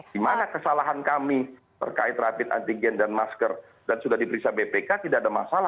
dimana kesalahan kami terkait rapid antigen dan masker dan sudah diperiksa bpk tidak ada masalah tidak ada kelebihan negara